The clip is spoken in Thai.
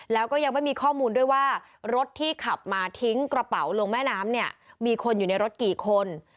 แล้วก็ยังไม่มีข้อมูลด้วยว่ารถที่ขับมาทิ้งกระเป๋าลงแม่น้ำเนี่ยมีคนอยู่ในรถกี่คน